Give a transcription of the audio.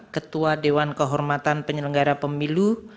ketua dewan kehormatan penyelenggara pemilu